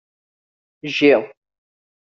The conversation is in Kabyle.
Jji.